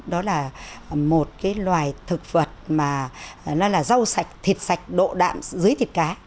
đó là một loài thực vật nó là rau sạch thịt sạch độ đạm dưới thịt cá